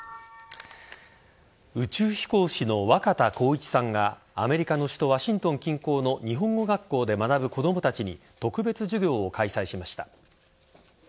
宇宙飛行士の若田光一さんがアメリカの首都ワシントン近郊の日本語学校で学ぶ子供たちに特別授業を開催しました。